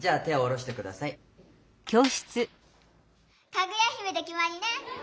「かぐや姫」できまりね！